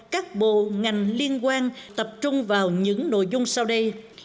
các bộ ngành liên quan tập trung vào những nội dung sau đây